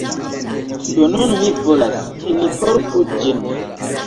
Do nun mi volas, ke li portu ĝin.